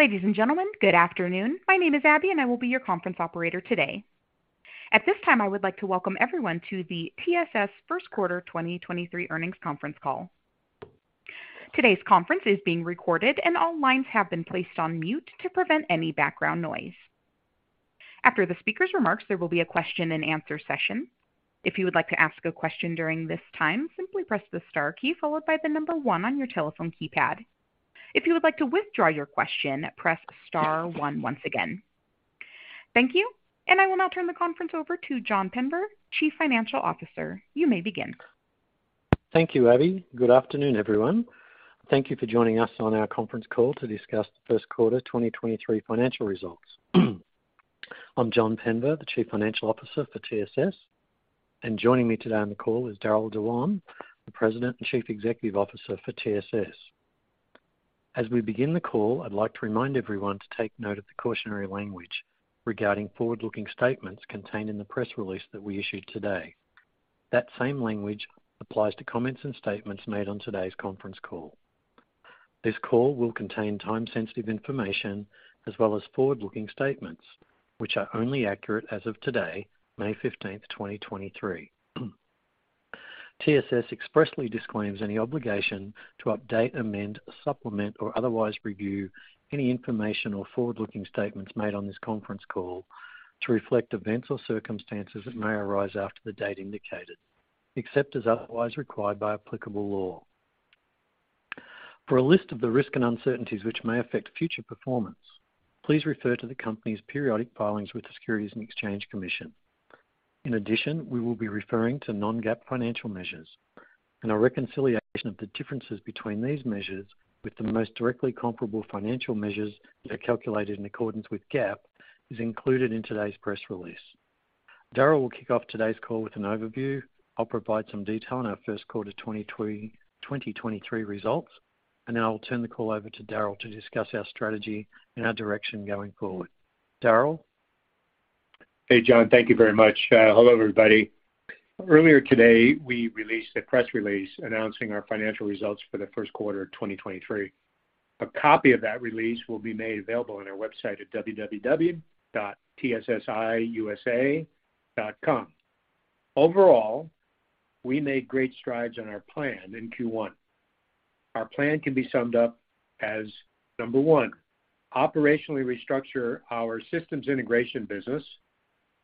Ladies and gentlemen, good afternoon. My name is Abby, I will be your conference operator today. At this time, I would like to welcome everyone to the TSS Q1 2023 earnings conference call. Today's conference is being recorded, all lines have been placed on mute to prevent any background noise. After the speaker's remarks, there will be a Q&A session. If you would like to ask a question during this time, simply press the star key followed by 1 on your telephone keypad. If you would like to withdraw your question, press star one once again. Thank you, I will now turn the conference over to John Penber, Chief Financial Officer. You may begin. Thank you, Abby. Good afternoon, everyone. Thank you for joining us on our conference call to discuss the Q1 2023 financial results. I'm John Penber, the Chief Financial Officer for TSS, and joining me today on the call is Darryll Dewan, the President and Chief Executive Officer for TSS. As we begin the call, I'd like to remind everyone to take note of the cautionary language regarding forward-looking statements contained in the press release that we issued today. That same language applies to comments and statements made on today's conference call. This call will contain time-sensitive information as well as forward-looking statements, which are only accurate as of today, May fifteenth, 2023. TSS expressly disclaims any obligation to update, amend, supplement, or otherwise review any information or forward-looking statements made on this conference call to reflect events or circumstances that may arise after the date indicated, except as otherwise required by applicable law. For a list of the risks and uncertainties which may affect future performance, please refer to the company's periodic filings with the Securities and Exchange Commission. In addition, we will be referring to non-GAAP financial measures and a reconciliation of the differences between these measures with the most directly comparable financial measures that are calculated in accordance with GAAP is included in today's press release. Darryll will kick off today's call with an overview. I'll provide some detail on our Q1 2023 results, and then I will turn the call over to Darryll to discuss our strategy and our direction going forward. Darryll? Hey, John. Thank you very much. Hello, everybody. Earlier today, we released a press release announcing our financial results for the Q1 of 2023. A copy of that release will be made available on our website at www.tssiusa.com. Overall, we made great strides on our plan in Q1. Our plan can be summed up as, 1, operationally restructure our systems integration business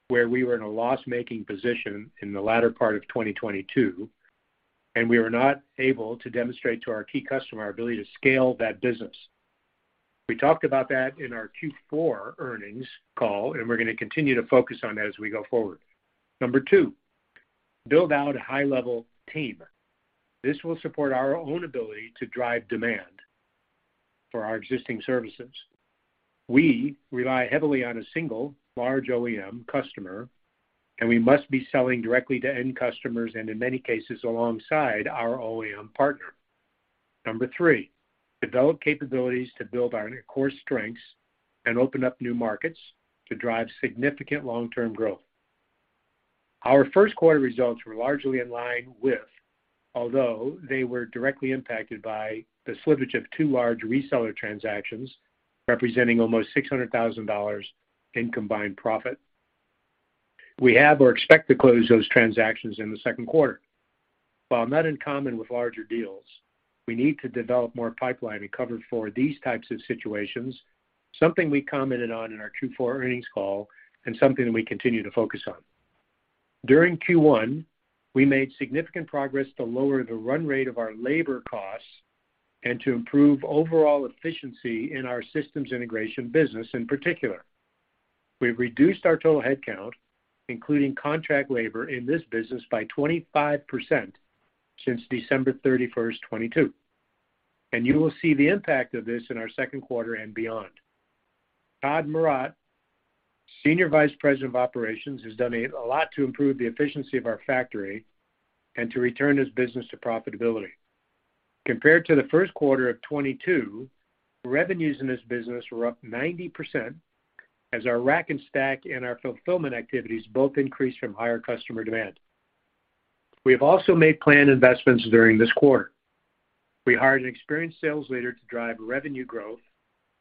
where we were in a loss-making position in the latter part of 2022, and we were not able to demonstrate to our key customer our ability to scale that business. We talked about that in our Q4 earnings call. We're gonna continue to focus on that as we go forward. 2, build out a high-level team. This will support our own ability to drive demand for our existing services. We rely heavily on a single large OEM customer, and we must be selling directly to end customers and, in many cases, alongside our OEM partner. Number 3, develop capabilities to build on our core strengths and open up new markets to drive significant long-term growth. Our Q1 results were largely in line with, although they were directly impacted by the slippage of 2 large reseller transactions representing almost $600,000 in combined profit. We have or expect to close those transactions in the Q2. While not uncommon with larger deals, we need to develop more pipeline to cover for these types of situations, something we commented on in our Q4 earnings call and something we continue to focus on. During Q1, we made significant progress to lower the run rate of our labor costs and to improve overall efficiency in our systems integration business in particular. We've reduced our total headcount, including contract labor, in this business by 25% since December 31, 2022, and you will see the impact of this in our 2nd quarter and beyond. Todd Marrott, Senior Vice President of Operations, has done a lot to improve the efficiency of our factory and to return this business to profitability. Compared to the 1st quarter of 2022, revenues in this business were up 90% as our rack and stack and our fulfillment activities both increased from higher customer demand. We have also made planned investments during this quarter. We hired an experienced sales leader to drive revenue growth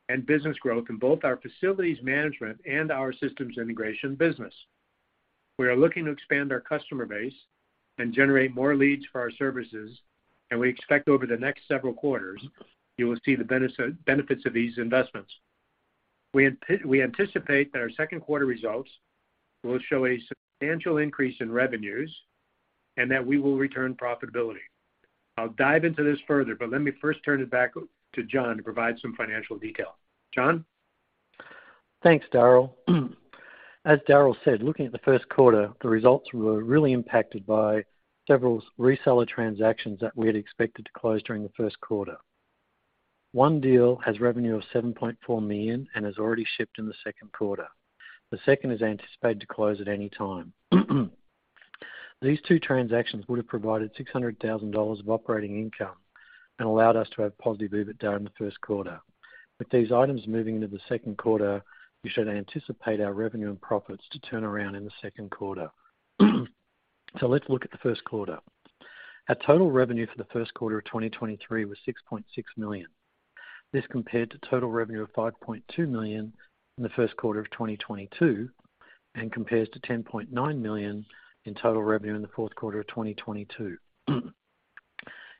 and business growth in both our facilities management and our systems integration business. We are looking to expand our customer base and generate more leads for our services. We expect over the next several quarters you will see the benefits of these investments. We anticipate that our Q2 results will show a substantial increase in revenues and that we will return profitability. I'll dive into this further. Let me first turn it back to John to provide some financial detail. John? Thanks, Darryll. As Darryll said, looking at the Q1, the results were really impacted by several reseller transactions that we had expected to close during the Q1. One deal has revenue of $7.4 million and has already shipped in the Q2. The second is anticipated to close at any time. These 2 transactions would have provided $600,000 of operating income and allowed us to have positive EBITDA in the Q1. With these items moving into the Q2, we should anticipate our revenue and profits to turn around in the Q2. Let's look at the Q1. our total revenue for the Q1 of 2023 was $6.6 million. This compared to total revenue of $5.2 million in the Q1 of 2022 and compares to $10.9 million in total revenue in the Q4 of 2022.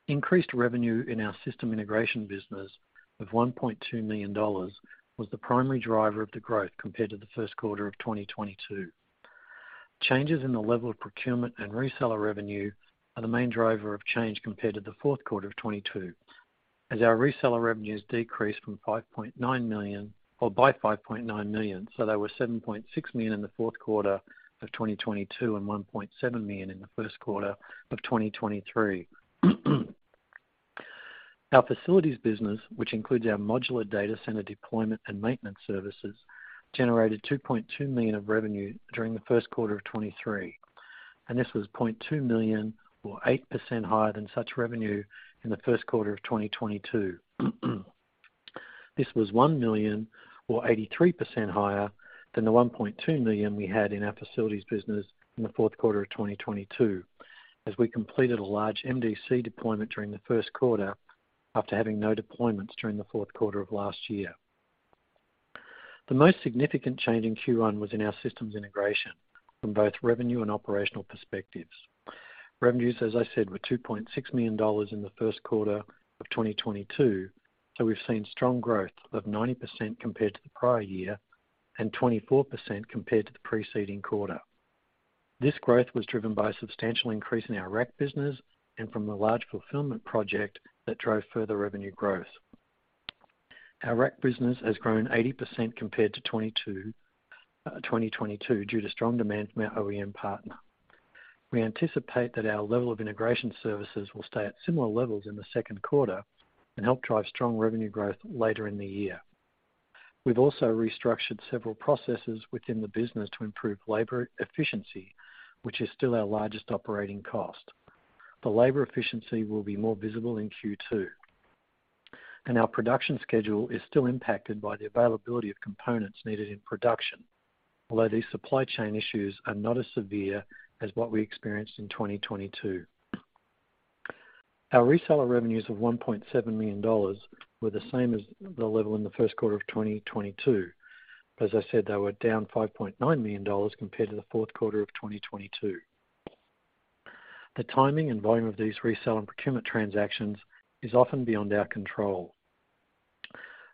Increased revenue in our systems integration business of $1.2 million was the primary driver of the growth compared to the Q1 of 2022. Changes in the level of procurement and reseller revenue are the main driver of change compared to the Q4 of 2022 as our reseller revenues decreased from $5.9 million or by $5.9 million. They were $7.6 million in the Q4 of 2022 and $1.7 million in the Q1 of 2023. Our facilities business, which includes our modular data center deployment and maintenance services, generated $2.2 million of revenue during the Q1 of 2023. This was $0.2 million or 8% higher than such revenue in the Q1 of 2022. This was $1 million or 83% higher than the $1.2 million we had in our facilities business in the Q4 of 2022 as we completed a large MDC deployment during the Q1 after having no deployments during the Q4 of last year. The most significant change in Q1 was in our systems integration from both revenue and operational perspectives. Revenues, as I said, were $2.6 million in the Q1 of 2022. We've seen strong growth of 90% compared to the prior year and 24% compared to the preceding quarter. This growth was driven by a substantial increase in our rack business and from the large fulfillment project that drove further revenue growth. Our rack business has grown 80% compared to 2022 due to strong demand from our OEM partner. We anticipate that our level of integration services will stay at similar levels in the Q2 and help drive strong revenue growth later in the year. We've also restructured several processes within the business to improve labor efficiency, which is still our largest operating cost. The labor efficiency will be more visible in Q2. Our production schedule is still impacted by the availability of components needed in production. Although these supply chain issues are not as severe as what we experienced in 2022. Our reseller revenues of $1.7 million were the same as the level in the Q1 of 2022. As I said, they were down $5.9 million compared to the Q4 of 2022. The timing and volume of these resell and procurement transactions is often beyond our control.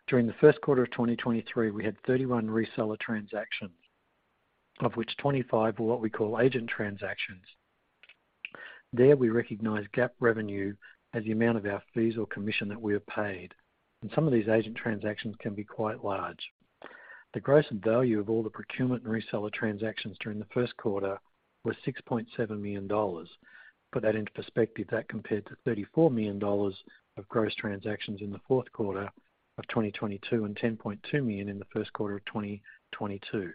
During the Q1 of 2023, we had 31 reseller transactions, of which 25 were what we call agent transactions. There we recognize GAAP revenue as the amount of our fees or commission that we are paid. Some of these agent transactions can be quite large. The gross value of all the procurement and reseller transactions during the Q1 was $6.7 million. Put that into perspective, that compared to $34 million of gross transactions in the Q4 of 2022 and $10.2 million in the Q1 of 2022.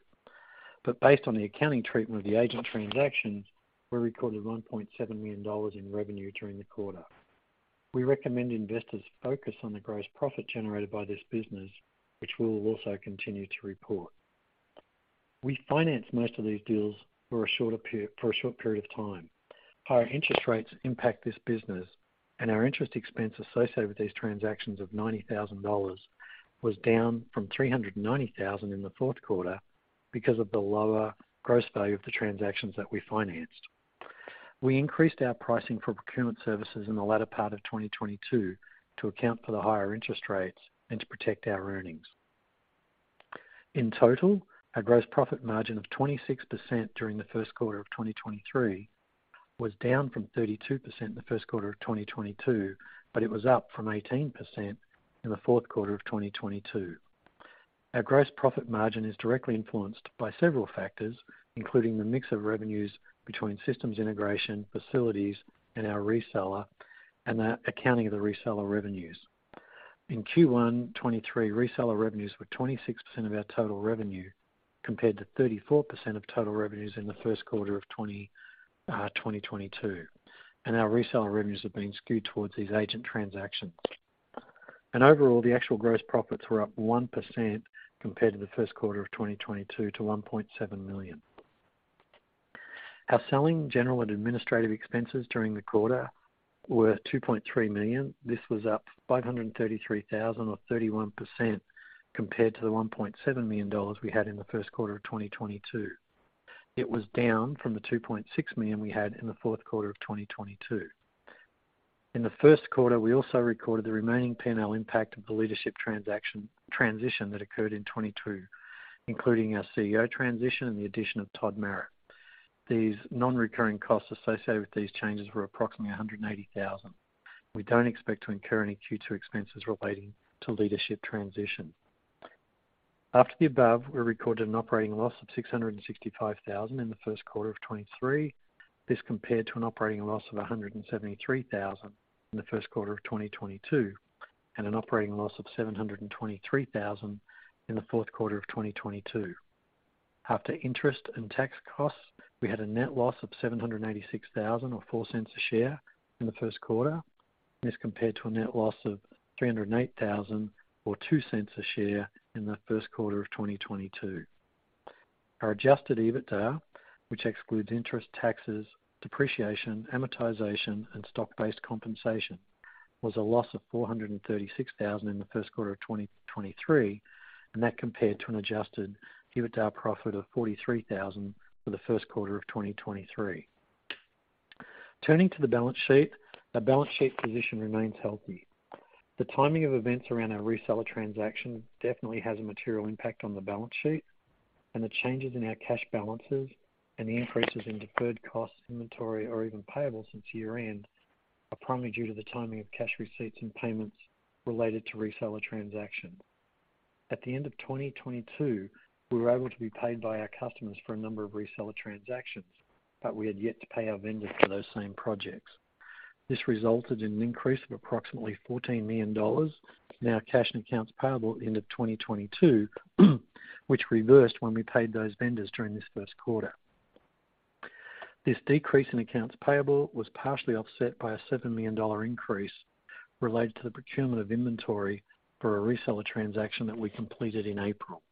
Based on the accounting treatment of the agent transactions, we recorded $1.7 million in revenue during the quarter. We recommend investors focus on the gross profit generated by this business, which we'll also continue to report. We finance most of these deals for a short period of time. Higher interest rates impact this business, and our interest expense associated with these transactions of $90,000 was down from $390,000 in the Q4 because of the lower gross value of the transactions that we financed. We increased our pricing for procurement services in the latter part of 2022 to account for the higher interest rates and to protect our earnings. In total, our gross profit margin of 26% during the Q1 of 2023 was down from 32% in the Q1 of 2022, but it was up from 18% in the Q4 of 2022. Our gross profit margin is directly influenced by several factors, including the mix of revenues between systems integration, facilities, and our reseller, and the accounting of the reseller revenues. In Q1 '23, reseller revenues were 26% of our total revenue, compared to 34% of total revenues in the Q1 of 2022. Our reseller revenues have been skewed towards these agent transactions. Overall, the actual gross profits were up 1% compared to the Q1 of 2022 to $1.7 million. Our selling, general and administrative expenses during the quarter were $2.3 million. This was up $533,000 or 31% compared to the $1.7 million we had in the Q1 of 2022. It was down from the $2.6 million we had in the Q4 of 2022. In the Q1, we also recorded the remaining P&L impact of the leadership transaction transition that occurred in 2022, including our CEO transition and the addition of Todd Marrott. These non-recurring costs associated with these changes were approximately $180,000. We don't expect to incur any Q2 expenses relating to leadership transition. After the above, we recorded an operating loss of $665,000 in the Q1 of 2023. This compared to an operating loss of $173,000 in the Q1 of 2022 and an operating loss of $723,000 in the Q4 of 2022. After interest and tax costs, we had a net loss of $786,000 or $0.04 a share in the Q1. This compared to a net loss of $308,000 or $0.02 a share in the Q1 of 2022. Our adjusted EBITDA, which excludes interest, taxes, depreciation, amortization, and stock-based compensation, was a loss of $436,000 in the Q1 of 2023, and that compared to an adjusted EBITDA profit of $43,000 for the Q1 of 2023. Turning to the balance sheet. Our balance sheet position remains healthy. The timing of events around our reseller transaction definitely has a material impact on the balance sheet, and the changes in our cash balances and the increases in deferred costs, inventory, or even payable since year-end are primarily due to the timing of cash receipts and payments related to reseller transactions. At the end of 2022, we were able to be paid by our customers for a number of reseller transactions, but we had yet to pay our vendors for those same projects. This resulted in an increase of approximately $14 million in our cash and accounts payable end of 2022, which reversed when we paid those vendors during this Q1. This decrease in accounts payable was partially offset by a $7 million increase related to the procurement of inventory for a reseller transaction that we completed in April.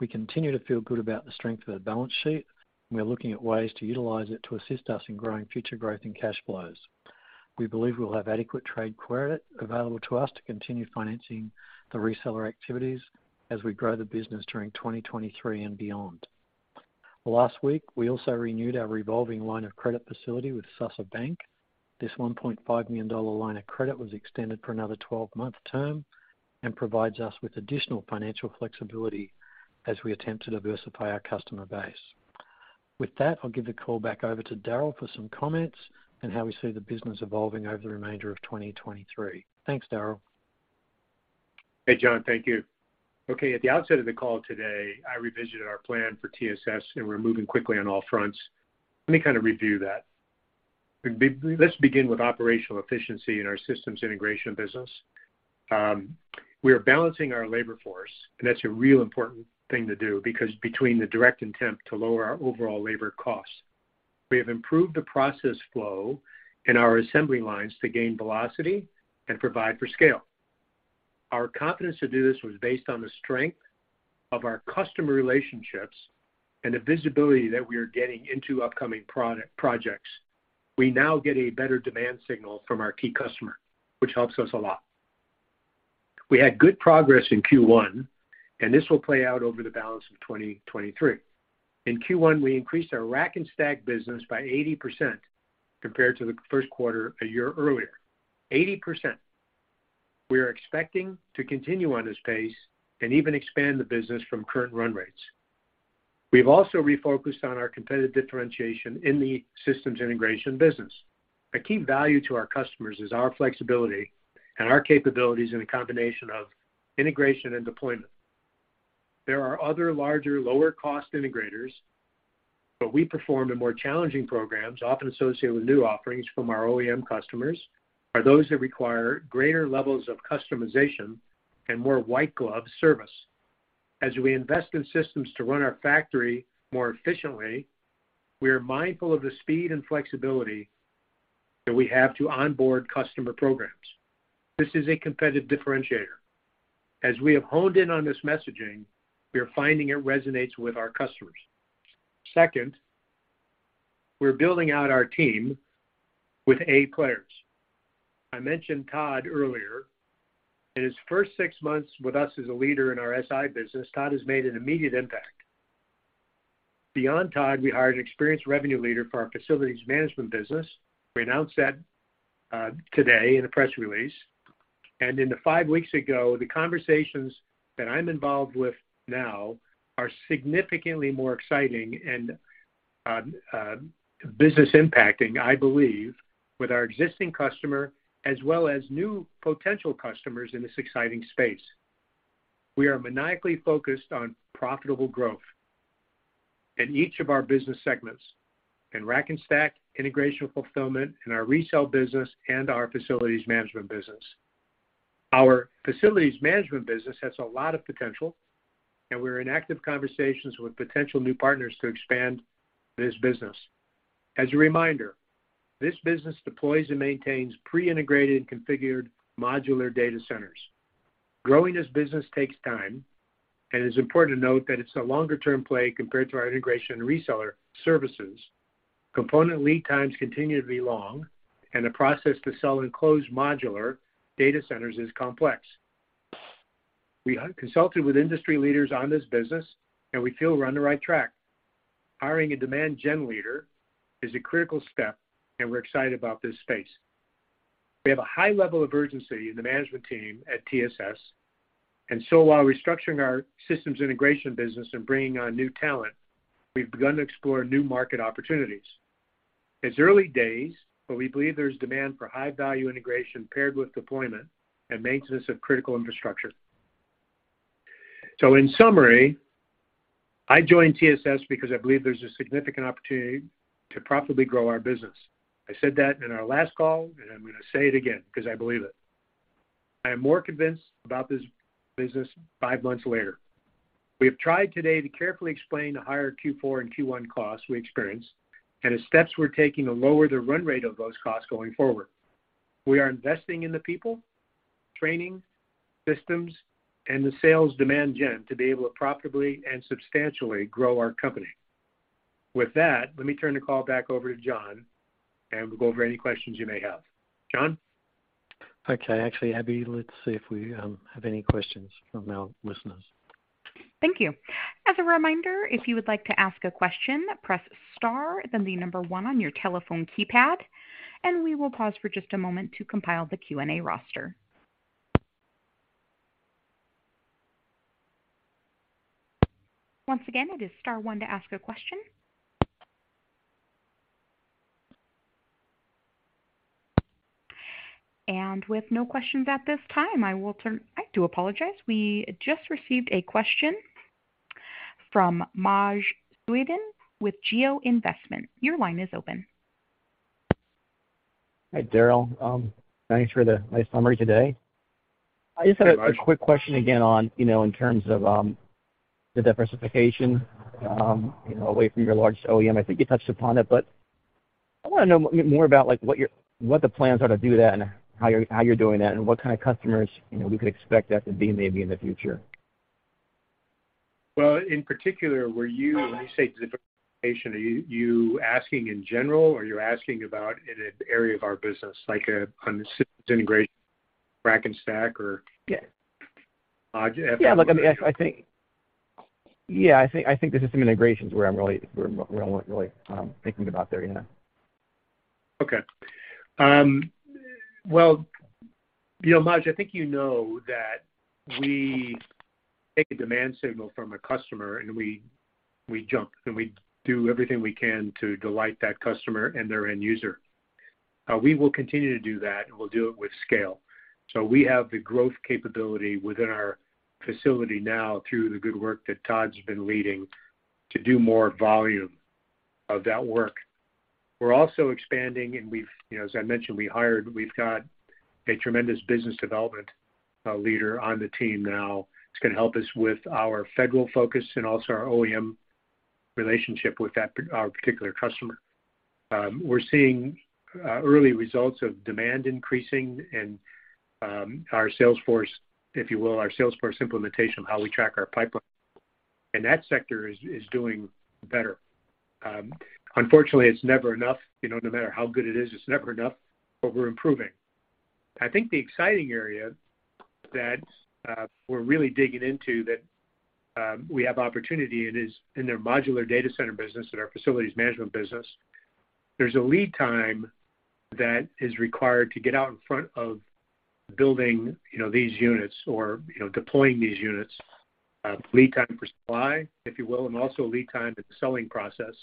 We continue to feel good about the strength of our balance sheet. We are looking at ways to utilize it to assist us in growing future growth and cash flows. We believe we'll have adequate trade credit available to us to continue financing the reseller activities as we grow the business during 2023 and beyond. Last week, we also renewed our revolving line of credit facility with Susser Bank. This $1.5 million line of credit was extended for another 12-month term and provides us with additional financial flexibility as we attempt to diversify our customer base. With that, I'll give the call back over to Darryll for some comments on how we see the business evolving over the remainder of 2023. Thanks, Darryll. Hey, John. Thank you. At the outset of the call today, I revisioned our plan for TSS and we're moving quickly on all fronts. Let me kind of review that. Let's begin with operational efficiency in our systems integration business. We are balancing our labor force, and that's a real important thing to do because between the direct attempt to lower our overall labor costs. We have improved the process flow in our assembly lines to gain velocity and provide for scale. Our confidence to do this was based on the strength of our customer relationships and the visibility that we are getting into upcoming projects. We now get a better demand signal from our key customer, which helps us a lot. We had good progress in Q1. This will play out over the balance of 2023. In Q1, we increased our rack-and-stack business by 80% compared to the Q1 a year earlier. 80%. We are expecting to continue on this pace and even expand the business from current run rates. We've also refocused on our competitive differentiation in the systems integration business. A key value to our customers is our flexibility and our capabilities in a combination of integration and deployment. There are other larger, lower-cost integrators. We perform the more challenging programs, often associated with new offerings from our OEM customers, or those that require greater levels of customization and more white glove service. As we invest in systems to run our factory more efficiently, we are mindful of the speed and flexibility that we have to onboard customer programs. This is a competitive differentiator. As we have honed in on this messaging, we are finding it resonates with our customers. Second, we're building out our team with A players. I mentioned Todd earlier. In his first 6 months with us as a leader in our SI business, Todd has made an immediate impact. Beyond Todd, we hired an experienced revenue leader for our facilities management business. We announced that today in a press release. In the 5 weeks ago, the conversations that I'm involved with now are significantly more exciting and business impacting, I believe, with our existing customer as well as new potential customers in this exciting space. We are maniacally focused on profitable growth in each of our business segments. In rack-and-stack, integration fulfillment, in our resale business, and our facilities management business. Our facilities management business has a lot of potential, and we're in active conversations with potential new partners to expand this business. As a reminder, this business deploys and maintains pre-integrated and configured modular data centers. Growing this business takes time, and it's important to note that it's a longer-term play compared to our integration and reseller services. Component lead times continue to be long, and the process to sell enclosed modular data centers is complex. We have consulted with industry leaders on this business, and we feel we're on the right track. Hiring a demand gen leader is a critical step, and we're excited about this space. We have a high level of urgency in the management team at TSS, and so while restructuring our systems integration business and bringing on new talent, we've begun to explore new market opportunities. It's early days, but we believe there's demand for high-value integration paired with deployment and maintenance of critical infrastructure. In summary, I joined TSS because I believe there's a significant opportunity to profitably grow our business. I said that in our last call, and I'm gonna say it again 'cause I believe it. I am more convinced about this business 5 months later. We have tried today to carefully explain the higher Q4 and Q1 costs we experienced and the steps we're taking to lower the run rate of those costs going forward. We are investing in the people, training, systems, and the sales demand gen to be able to profitably and substantially grow our company. With that, let me turn the call back over to John, and we'll go over any questions you may have. John? Okay. Actually, Abby, let's see if we have any questions from our listeners? Thank you. As a reminder, if you would like to ask a question, press star then the 1 on your telephone keypad, and we will pause for just a moment to compile the Q&A roster. Once again, it is star 1 to ask a question. With no questions at this time, I do apologize. We just received a question from Maj Soueidan with GeoInvesting. Your line is open. Hi, Darryll. Thanks for the nice summary today. Hi, Maj. I just had a quick question again on, you know, in terms of the diversification, you know, away from your largest OEM. I think you touched upon it, but I wanna know more about like what your, what the plans are to do that and how you're, how you're doing that and what kinda customers, you know, we could expect that to be maybe in the future? Well, in particular, when you say diversification, are you asking in general or you're asking about in an area of our business like a on systems integration, rack and stack or? Yeah. Object- Yeah. Look, I mean, I think... Yeah, I think the systems integration is where I'm really thinking about there, yeah. Okay. Well, you know, Maj, I think you know that we take a demand signal from a customer, and we jump, and we do everything we can to delight that customer and their end user. We will continue to do that, and we'll do it with scale. We have the growth capability within our facility now through the good work that Todd's been leading to do more volume of that work. We're also expanding, and we've, you know, as I mentioned, we hired. We've got a tremendous business development leader on the team now that's gonna help us with our federal focus and also our OEM relationship with our particular customer. We're seeing early results of demand increasing and our sales force, if you will, our sales force implementation of how we track our pipeline. That sector is doing better. Unfortunately, it's never enough. You know, no matter how good it is, it's never enough, but we're improving. I think the exciting area that we're really digging into that we have opportunity it is in their modular data center business and our facilities management business. There's a lead time that is required to get out in front of building, you know, these units or, you know, deploying these units, lead time for supply, if you will, and also lead time to the selling process.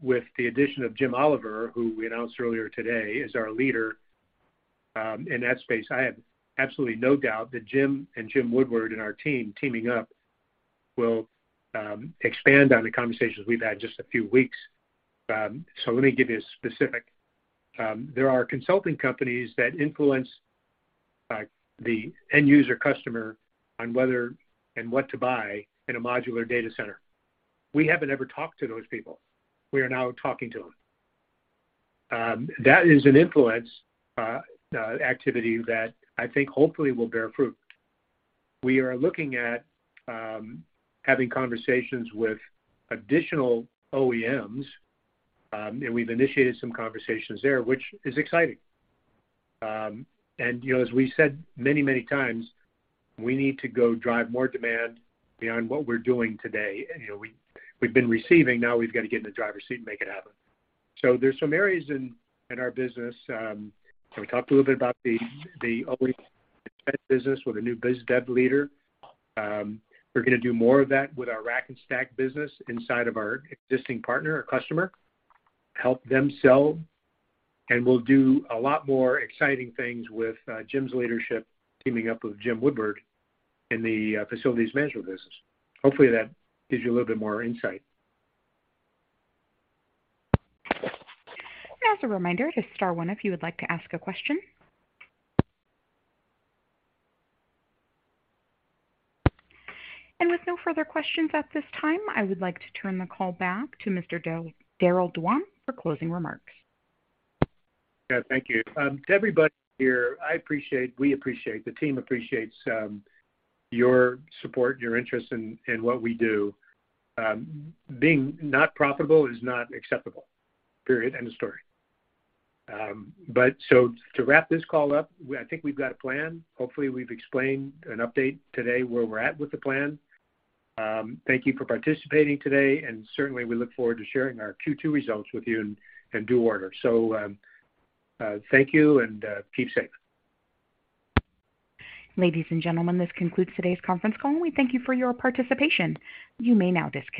With the addition of Jim Olivier, who we announced earlier today, is our leader in that space. I have absolutely no doubt that Jim and Jim Woodward and our team teaming up will expand on the conversations we've had just a few weeks. Let me give you a specific. There are consulting companies that influence the end user customer on whether and what to buy in a modular data center. We haven't ever talked to those people. We are now talking to them. That is an influence activity that I think hopefully will bear fruit. We are looking at having conversations with additional OEMs, and we've initiated some conversations there, which is exciting. You know, as we said many, many times, we need to go drive more demand beyond what we're doing today. You know, we've been receiving, now we've got to get in the driver's seat and make it happen. There's some areas in our business, and we talked a little bit about the OE business with a new biz dev leader. We're gonna do more of that with our rack and stack business inside of our existing partner or customer, help them sell, and we'll do a lot more exciting things with Jim's leadership teaming up with Jim Woodward in the facilities management business. Hopefully, that gives you a little bit more insight. As a reminder, hit star 1 if you would like to ask a question. With no further questions at this time, I would like to turn the call back to Mr. Darryll Dewan for closing remarks. Yeah. Thank you. To everybody here, I appreciate, we appreciate, the team appreciates, your support, your interest in what we do. Being not profitable is not acceptable, period, end of story. To wrap this call up, I think we've got a plan. Hopefully, we've explained an update today where we're at with the plan. Thank you for participating today, and certainly, we look forward to sharing our Q2 results with you in due order. Thank you and keep safe. Ladies and gentlemen, this concludes today's conference call. We thank you for your participation. You may now disconnect.